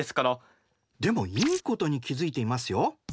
でもいいことに気付いていますよ。